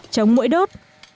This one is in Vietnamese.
chống mũi đốt